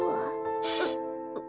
うっ！